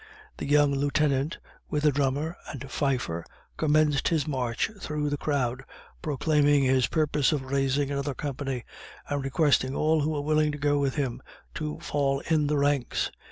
The young Lieutenant, with a drummer and fifer, commenced his march through the crowd, proclaiming his purpose of raising another company, and requesting all who were willing to go with him, to fall in the ranks.